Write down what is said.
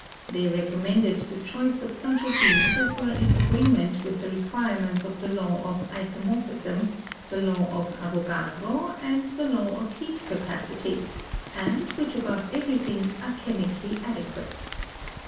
They recommended the choice of such of these as were in agreement with the re quirements of the law of isomorphism, the law of Avo gadro and the law of heat capacity, and which above everything are chemically adequate.